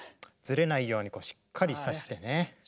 ずれないようにしっかりさしてね。